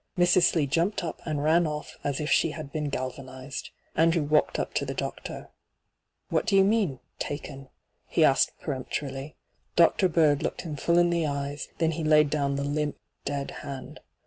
Mrs. Slee jumped up and ran o£F as if she had been galvanized. Andrew walked up to the doctor. * What do you mean — taken ?' he asked peremptorily. Dr. Bird looked him full in t^e eyes ; then he laid down the limp, dead hand.